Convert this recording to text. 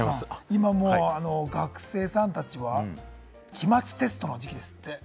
今もう学生さんたちは期末テストの時期ですって。